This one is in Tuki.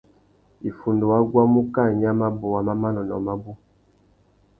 Iffundu wa guamú kā nya mabôwa má manônôh mabú.